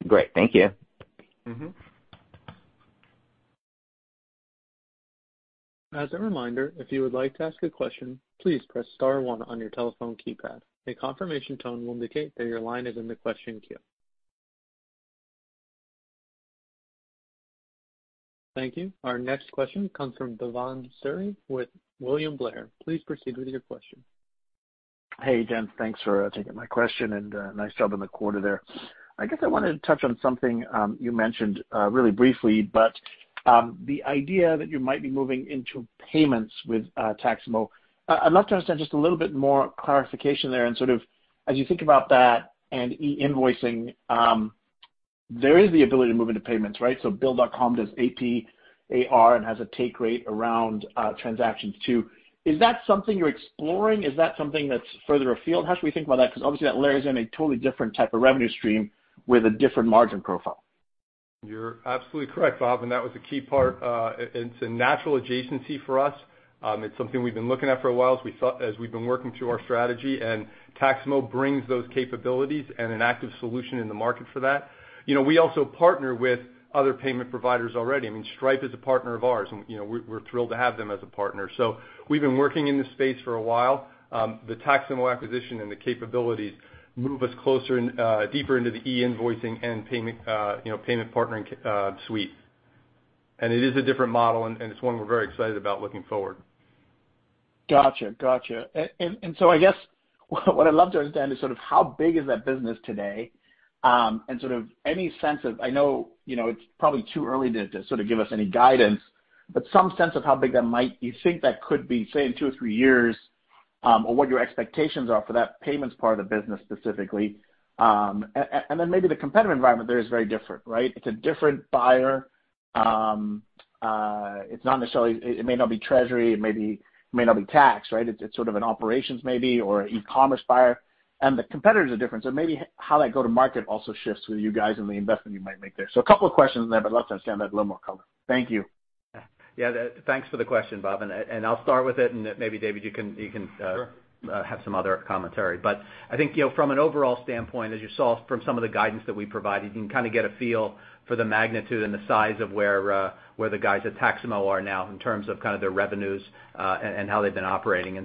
Great. Thank you. As a reminder, if you would like to ask a question, please press star one on your telephone keypad. A confirmation tone will indicate that your line is in the question queue. Thank you. Our next question comes from Bhavan Suri with William Blair. Please proceed with your question. Hey, gents. Thanks for taking my question, and nice job on the quarter there. I guess I wanted to touch on something you mentioned really briefly, but the idea that you might be moving into payments with Taxamo. I'd love to understand just a little bit more clarification there and as you think about that and e-invoicing, there is the ability to move into payments, right? BILL does AP, AR, and has a take rate around transactions, too. Is that something you're exploring? Is that something that's further afield? How should we think about that? Obviously that layers in a totally different type of revenue stream with a different margin profile. You're absolutely correct, Bhav, that was a key part. It's a natural adjacency for us. It's something we've been looking at for a while, as we've been working through our strategy, and Taxamo brings those capabilities and an active solution in the market for that. We also partner with other payment providers already. Stripe is a partner of ours, and we're thrilled to have them as a partner. We've been working in this space for a while. The Taxamo acquisition and the capabilities move us closer and deeper into the e-invoicing and payment partnering suite. It is a different model, and it's one we're very excited about looking forward. Got you. I guess what I'd love to understand is how big is that business today, and any sense of, I know it's probably too early to give us any guidance, but some sense of how big that might you think that could be, say, in two or three years, or what your expectations are for that payments part of the business specifically. Maybe the competitive environment there is very different, right? It's a different buyer. It may not be treasury, it may not be tax. It's an operations maybe, or e-commerce buyer. The competitors are different. Maybe how that go-to-market also shifts with you guys and the investment you might make there. A couple of questions there, but I'd love to understand that with a little more color. Thank you. Yeah. Thanks for the question, Bhav. I'll start with it, and maybe David... Sure ...have some other commentary. I think from an overall standpoint, as you saw from some of the guidance that we provided, you can get a feel for the magnitude and the size of where the guys at Taxamo are now in terms of their revenues, and how they've been operating.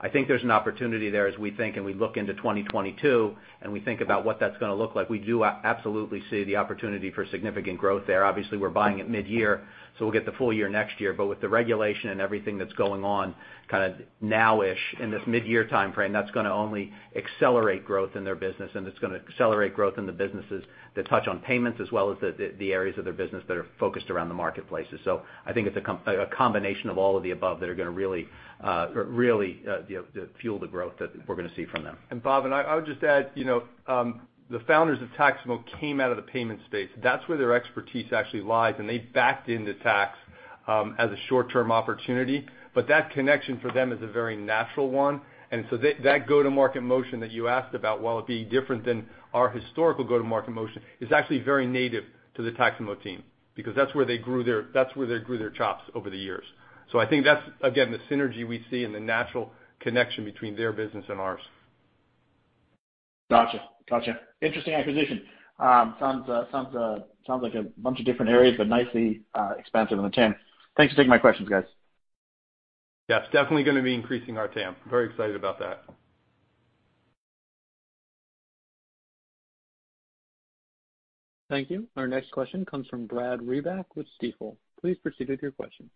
I think there's an opportunity there as we think and we look into 2022, and we think about what that's going to look like. We do absolutely see the opportunity for significant growth there. Obviously, we're buying at mid-year, so we'll get the full year next year. With the regulation and everything that's going on now-ish in this mid-year timeframe, that's going to only accelerate growth in their business, and it's going to accelerate growth in the businesses that touch on payments as well as the areas of their business that are focused around the marketplaces. I think it's a combination of all of the above that are going to really fuel the growth that we're going to see from them. Bhav, and I would just add, the founders of Taxamo came out of the payment space. That's where their expertise actually lies, and they backed into tax as a short-term opportunity. That connection for them is a very natural one. That go-to-market motion that you asked about, while it being different than our historical go-to-market motion, is actually very native to the Taxamo team, because that's where they grew their chops over the years. I think that's, again, the synergy we see and the natural connection between their business and ours. Got you. Interesting acquisition. Sounds like a bunch of different areas, but nicely expansive in the TAM. Thanks for taking my questions, guys. Yeah, it's definitely going to be increasing our TAM. Very excited about that. Thank you. Our next question comes from Brad Reback with Stifel. Please proceed with your question.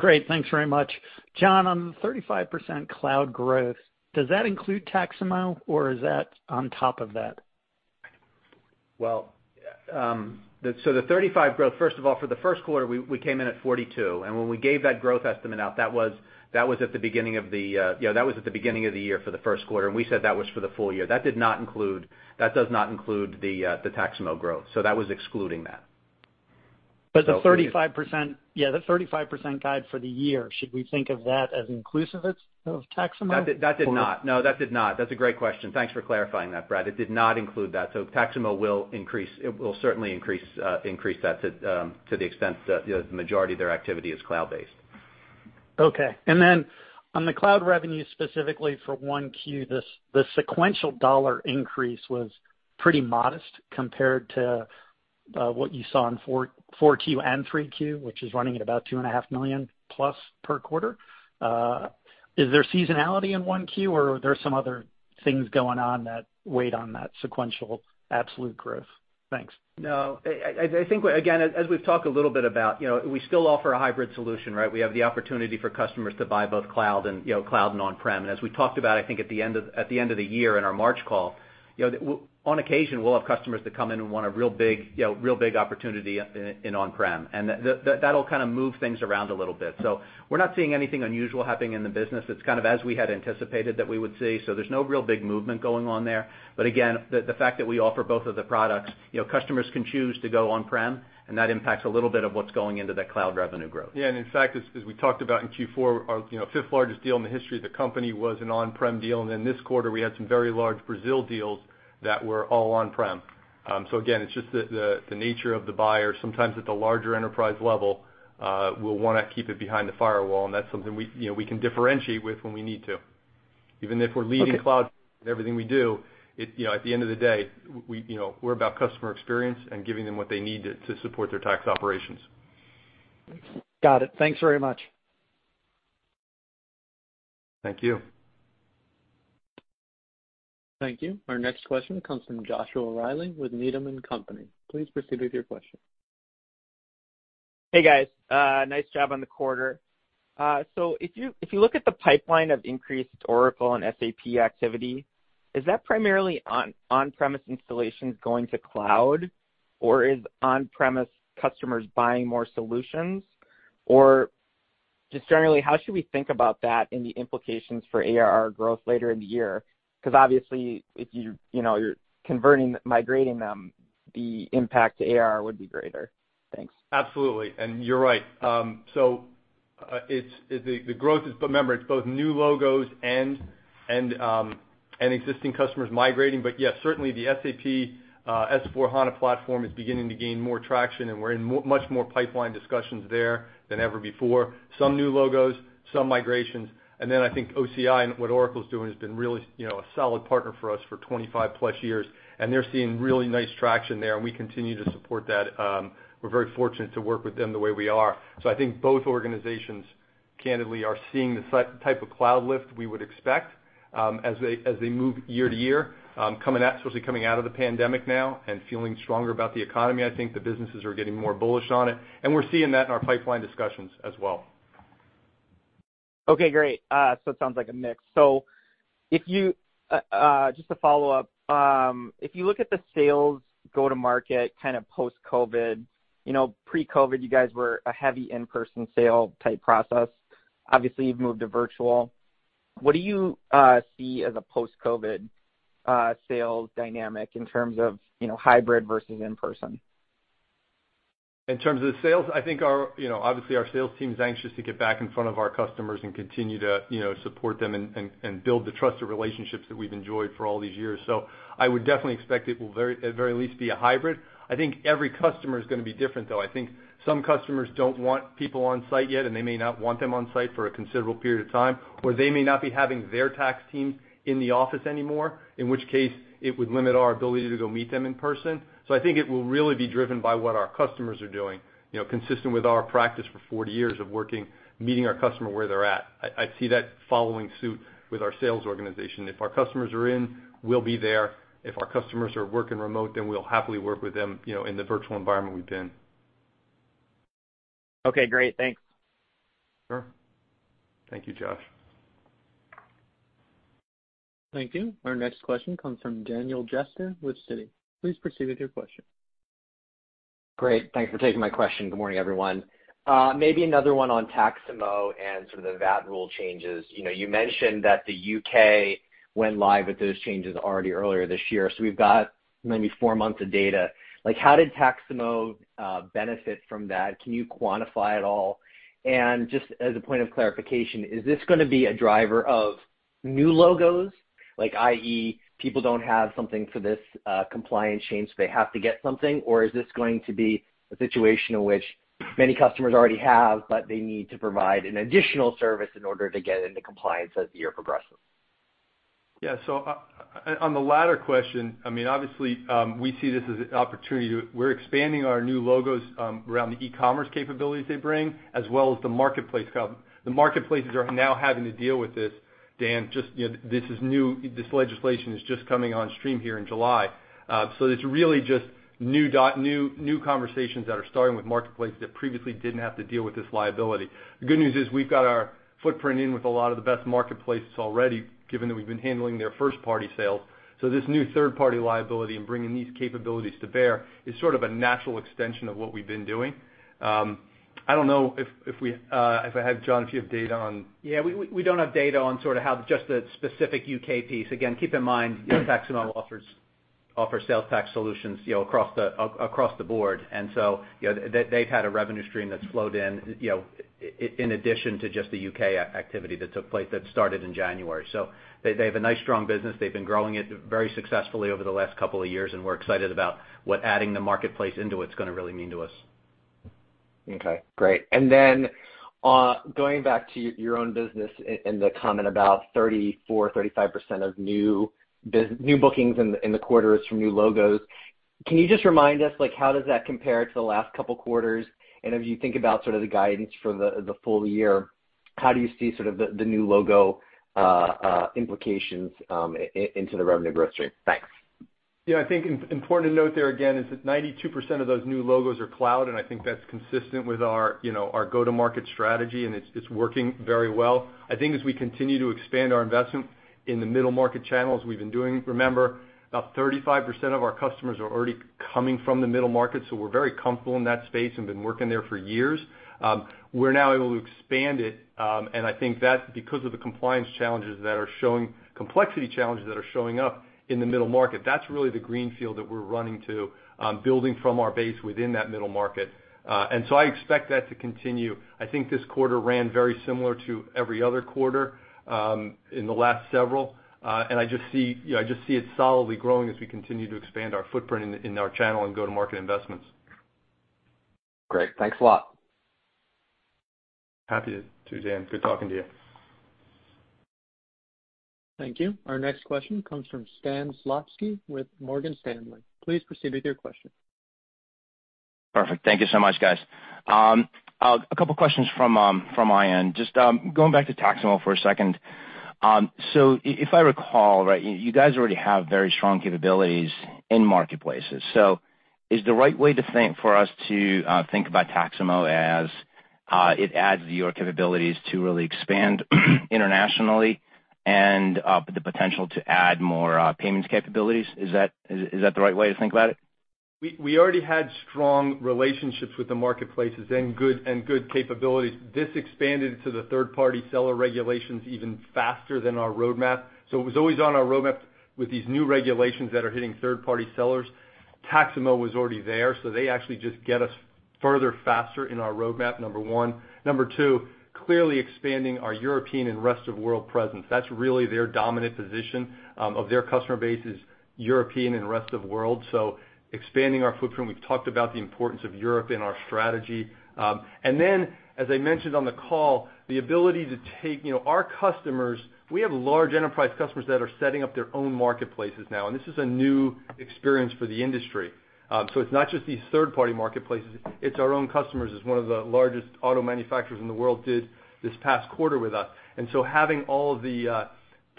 Great. Thanks very much. John, on the 35% cloud growth, does that include Taxamo, or is that on top of that? Well, the 35% growth, first of all, for the first quarter, we came in at 42%. When we gave that growth estimate out, that was at the beginning of the year for the first quarter, and we said that was for the full year. That does not include the Taxamo growth. That was excluding that. The 35% guide for the year, should we think of that as inclusive of Taxamo? That did not. No, that did not. That's a great question. Thanks for clarifying that, Brad. It did not include that. Taxamo will certainly increase that to the extent that the majority of their activity is cloud-based. Okay. On the cloud revenue, specifically for 1Q, the sequential dollar increase was pretty modest compared to what you saw in 4Q and 3Q, which is running at about $2.5 million plus per quarter. Is there seasonality in 1Q, or are there some other things going on that weighed on that sequential absolute growth? Thanks. No. I think, again, as we've talked a little bit about, we still offer a hybrid solution, right? We have the opportunity for customers to buy both cloud and on-prem. As we talked about, I think at the end of the year in our March call, on occasion, we'll have customers that come in and want a real big opportunity in on-prem, and that'll kind of move things around a little bit. We're not seeing anything unusual happening in the business. It's kind of as we had anticipated that we would see, so there's no real big movement going on there. Again, the fact that we offer both of the products, customers can choose to go on-prem, and that impacts a little bit of what's going into that cloud revenue growth. In fact, as we talked about in Q4, our fifth largest deal in the history of the company was an on-prem deal. Then this quarter, we had some very large Brazil deals that were all on-prem. Again, it's just the nature of the buyer. Sometimes at the larger enterprise level, will want to keep it behind the firewall, and that's something we can differentiate with when we need to. Okay in everything we do, at the end of the day, we're about customer experience and giving them what they need to support their tax operations. Got it. Thanks very much. Thank you. Thank you. Our next question comes from Joshua Reilly with Needham & Company. Please proceed with your question. Hey, guys. Nice job on the quarter. If you look at the pipeline of increased Oracle and SAP activity, is that primarily on on-premise installations going to cloud, or is on-premise customers buying more solutions? Just generally, how should we think about that and the implications for ARR growth later in the year? Obviously if you're converting, migrating them, the impact to ARR would be greater. Thanks. Absolutely. You're right. The growth is, remember, it's both new logos and existing customers migrating. Yes, certainly the SAP S/4HANA platform is beginning to gain more traction, and we're in much more pipeline discussions there than ever before. Some new logos, some migrations. I think OCI and what Oracle's doing has been really a solid partner for us for 25+ years, and they're seeing really nice traction there, and we continue to support that. We're very fortunate to work with them the way we are. I think both organizations, candidly, are seeing the type of cloud lift we would expect, as they move year to year, especially coming out of the pandemic now and feeling stronger about the economy. I think the businesses are getting more bullish on it, and we're seeing that in our pipeline discussions as well. Okay, great. It sounds like a mix. Just a follow-up. If you look at the sales go-to-market kind of post-COVID, pre-COVID, you guys were a heavy in-person sale type process. Obviously, you've moved to virtual. What do you see as a post-COVID sales dynamic in terms of hybrid versus in-person? In terms of sales, I think, obviously our sales team's anxious to get back in front of our customers and continue to support them and build the trusted relationships that we've enjoyed for all these years. I would definitely expect it will, at very least, be a hybrid. I think every customer is going to be different, though. I think some customers don't want people on site yet, and they may not want them on site for a considerable period of time. They may not be having their tax team in the office anymore, in which case it would limit our ability to go meet them in person. I think it will really be driven by what our customers are doing, consistent with our practice for 40 years of working, meeting our customer where they're at. I see that following suit with our sales organization. If our customers are in, we'll be there. If our customers are working remote, we'll happily work with them in the virtual environment we've been. Okay, great. Thanks. Sure. Thank you, Josh. Thank you. Our next question comes from Daniel Jester with Citi. Please proceed with your question. Great. Thanks for taking my question. Good morning, everyone. Maybe another one on Taxamo and some of the VAT rule changes. You mentioned that the U.K. went live with those changes already earlier this year. We've got maybe four months of data. How did Taxamo benefit from that? Can you quantify at all? Just as a point of clarification, is this going to be a driver of new logos, like i.e., people don't have something for this compliance change, they have to get something? Is this going to be a situation in which many customers already have, but they need to provide an additional service in order to get into compliance as the year progresses? Yeah. On the latter question, obviously, we see this as an opportunity to We're expanding our new logos around the e-commerce capabilities they bring, as well as the marketplace. The marketplaces are now having to deal with this, Dan. This legislation is just coming on stream here in July. It's really just new conversations that are starting with marketplace that previously didn't have to deal with this liability. The good news is we've got our footprint in with a lot of the best marketplaces already, given that we've been handling their first-party sales. This new third-party liability and bringing these capabilities to bear is sort of a natural extension of what we've been doing. I don't know if I have, John, if you have data on. Yeah, we don't have data on sort of how just the specific U.K. piece. Again, keep in mind Taxamo offers sales tax solutions across the board. They've had a revenue stream that's flowed in addition to just the U.K. activity that took place that started in January. They have a nice, strong business. They've been growing it very successfully over the last couple of years, and we're excited about what adding the marketplace into it is going to really mean to us. Okay, great. Going back to your own business and the comment about 34%-35% of new bookings in the quarter is from new logos. Can you just remind us, how does that compare to the last couple of quarters? As you think about sort of the guidance for the full year, how do you see sort of the new logo implications into the revenue growth stream? Thanks. Yeah, I think important to note there again is that 92% of those new logos are cloud, and I think that's consistent with our go-to-market strategy, and it's working very well. I think as we continue to expand our investment in the middle market channels, we've been doing, remember, about 35% of our customers are already coming from the middle market, so we're very comfortable in that space and been working there for years. We're now able to expand it, and I think that's because of the complexity challenges that are showing up in the middle market. That's really the greenfield that we're running to, building from our base within that middle market. I expect that to continue. I think this quarter ran very similar to every other quarter in the last several. I just see it solidly growing as we continue to expand our footprint in our channel and go-to-market investments. Great. Thanks a lot. Happy to, Dan. Good talking to you. Thank you. Our next question comes from Stan Zlotsky with Morgan Stanley. Please proceed with your question. Perfect. Thank you so much, guys. A couple of questions from my end. Just going back to Taxamo for a second. If I recall, you guys already have very strong capabilities in marketplaces. Is the right way for us to think about Taxamo as it adds to your capabilities to really expand internationally and the potential to add more payments capabilities? Is that the right way to think about it? We already had strong relationships with the marketplaces and good capabilities. This expanded to the third-party seller regulations even faster than our roadmap. It was always on our roadmap with these new regulations that are hitting third-party sellers. Taxamo was already there, so they actually just get us further, faster in our roadmap, number one. Number two, clearly expanding our European and rest of world presence. That's really their dominant position of their customer base is European and rest of world. Expanding our footprint, we've talked about the importance of Europe in our strategy. As I mentioned on the call, the ability to take our customers, we have large enterprise customers that are setting up their own marketplaces now, and this is a new experience for the industry. It's not just these third-party marketplaces, it's our own customers, as one of the largest auto manufacturers in the world did this past quarter with us. Having all of the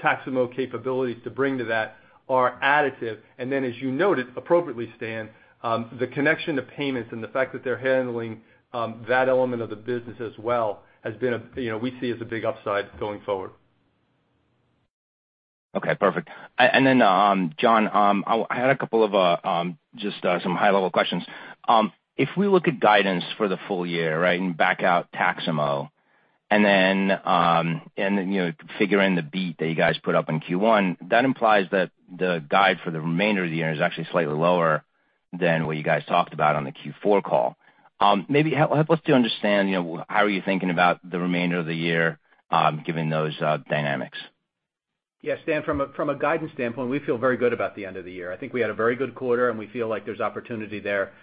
Taxamo capabilities to bring to that are additive. Then, as you noted, appropriately, Stan, the connection to payments and the fact that they're handling that element of the business as well, we see as a big upside going forward. Okay, perfect. John, I had a couple of just some high-level questions. If we look at guidance for the full year and back out Taxamo, and then figure in the beat that you guys put up in Q1, that implies that the guide for the remainder of the year is actually slightly lower than what you guys talked about on the Q4 call. Maybe help us to understand how are you thinking about the remainder of the year given those dynamics. Yeah, Stan, from a guidance standpoint, we feel very good about the end of the year. I think we had a very good quarter, and we feel like there's opportunity there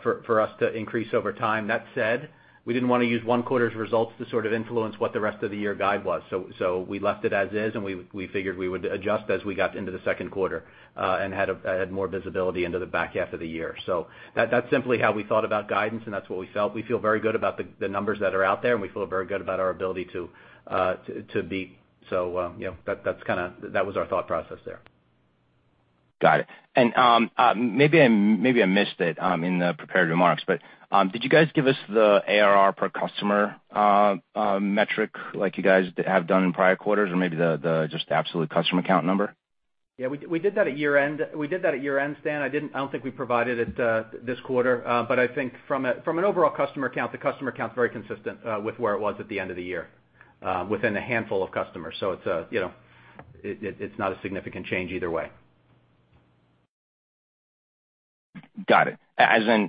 for us to increase over time. That said, we didn't want to use one quarter's results to sort of influence what the rest of the year guide was. We left it as is, and we figured we would adjust as we got into the second quarter and had more visibility into the back half of the year. That's simply how we thought about guidance, and that's what we felt. We feel very good about the numbers that are out there, and we feel very good about our ability to beat. That was our thought process there. Got it. Maybe I missed it in the prepared remarks, but did you guys give us the ARR per customer metric like you guys have done in prior quarters or maybe just the absolute customer account number? Yeah, we did that at year-end, Stan. I don't think we provided it this quarter. I think from an overall customer count, the customer count's very consistent with where it was at the end of the year within a handful of customers. It's not a significant change either way. Got it. As in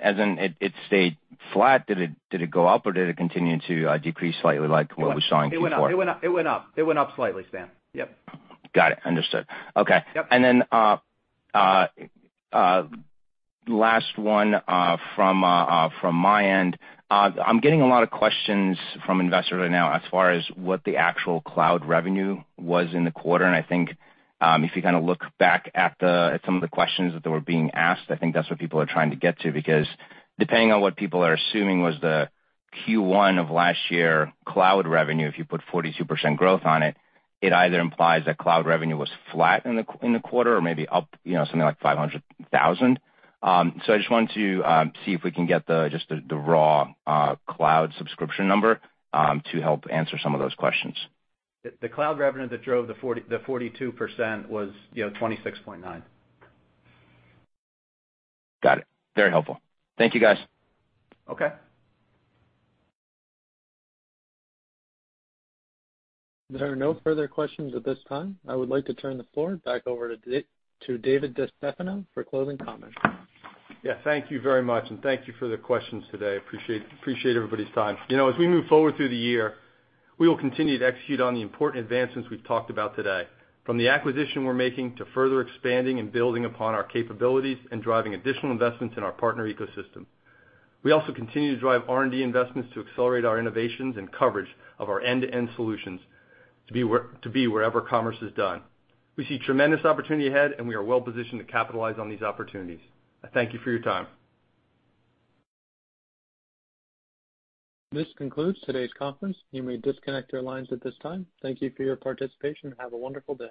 it stayed flat. Did it go up, or did it continue to decrease slightly like what we saw in Q4? It went up slightly, Stan. Yep. Got it. Understood. Okay. Yep. Last one from my end. I'm getting a lot of questions from investors right now as far as what the actual cloud revenue was in the quarter, and I think if you kind of look back at some of the questions that were being asked, I think that's what people are trying to get to, because depending on what people are assuming was the Q1 of last year cloud revenue, if you put 42% growth on it either implies that cloud revenue was flat in the quarter or maybe up something like $500,000. I just wanted to see if we can get just the raw cloud subscription number to help answer some of those questions. The cloud revenue that drove the 42% was $26.9. Got it. Very helpful. Thank you, guys. Okay. There are no further questions at this time. I would like to turn the floor back over to David DeStefano for closing comments. Yeah. Thank you very much, and thank you for the questions today. Appreciate everybody's time. As we move forward through the year, we will continue to execute on the important advancements we've talked about today, from the acquisition we're making to further expanding and building upon our capabilities and driving additional investments in our partner ecosystem. We also continue to drive R&D investments to accelerate our innovations and coverage of our end-to-end solutions to be wherever commerce is done. We see tremendous opportunity ahead, and we are well-positioned to capitalize on these opportunities. I thank you for your time. This concludes today's conference. You may disconnect your lines at this time. Thank you for your participation, and have a wonderful day.